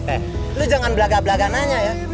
eh lu jangan belaga blaga nanya ya